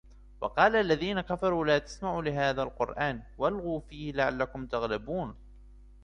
وقال الذين كفروا لا تسمعوا لهذا القرآن والغوا فيه لعلكم تغلبون